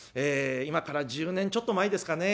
今から１０年ちょっと前ですかね